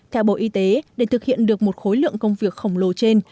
theo bộ y tế để thực hiện được một khối lượng công việc khổng lồ trên